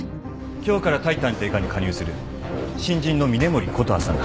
今日から対探偵課に加入する新人の峰森琴葉さんだ。